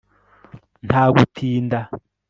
nta gutinda